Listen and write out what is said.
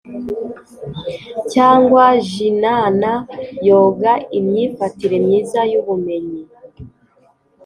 cyangwa jnana yoga, imyifatire myiza y’ubumenyi